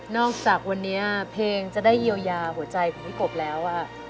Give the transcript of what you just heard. จากวันนี้เพลงจะได้เยียวยาหัวใจของพี่กบแล้ว